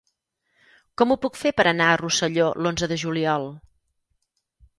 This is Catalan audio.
Com ho puc fer per anar a Rosselló l'onze de juliol?